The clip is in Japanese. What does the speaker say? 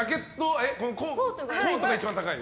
コートが一番高い？